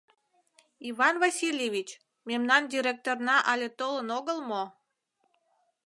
Иван Васильевич, мемнан директорна але толын огыл мо?